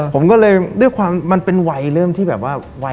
ผมก็เลยด้วยความมันเป็นวัยเริ่มที่แบบว่าวัย